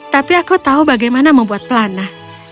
tapi aku tahu bagaimana membuat pelana